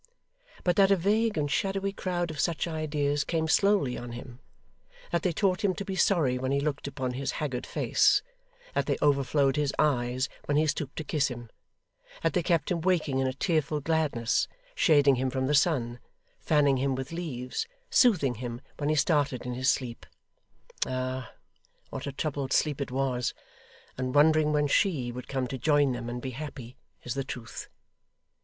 But that a vague and shadowy crowd of such ideas came slowly on him; that they taught him to be sorry when he looked upon his haggard face, that they overflowed his eyes when he stooped to kiss him, that they kept him waking in a tearful gladness, shading him from the sun, fanning him with leaves, soothing him when he started in his sleep ah! what a troubled sleep it was and wondering when SHE would come to join them and be happy, is the truth.